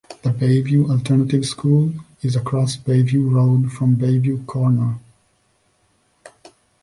The Bayview Alternative School is across Bayview Road from Bayview Corner.